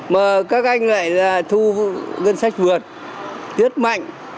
mà các anh lại thu ngân sách vượt tiết mạnh